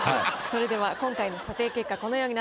それでは今回の査定結果このようになっております。